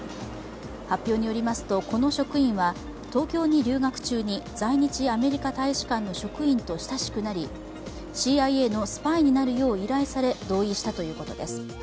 発表によりますと、この職員は東京に留学中に在日アメリカ大使館の職員と親しくなりＣＩＡのスパイになるよう依頼され同意したということです。